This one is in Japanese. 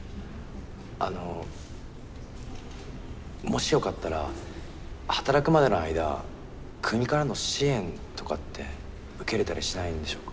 あのもしよかったら働くまでの間国からの支援とかって受けれたりしないんでしょうか？